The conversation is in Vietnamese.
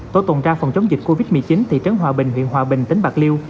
tổ tuần tra phòng chống dịch covid một mươi chín thị trấn hòa bình huyện hòa bình tỉnh bạc liêu